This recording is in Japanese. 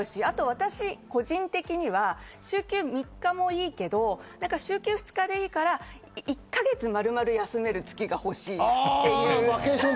私、個人的には週休３日もいいけど、週休２日でいいから、１か月まるまる休める月が欲しい。